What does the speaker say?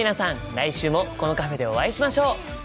来週もこのカフェでお会いしましょう！